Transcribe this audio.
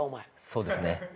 そうですね。